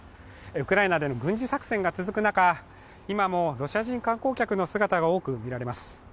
ウクライナでの軍事作戦が続く中、今もロシア人観光客の姿が多く見られます。